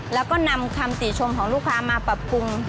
แล้วก็นำคำติชมของลูกค้ามาปรับปรุง